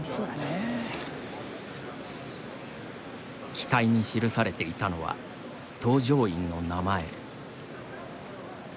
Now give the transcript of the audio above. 機体に記されていたのは搭乗員の名前。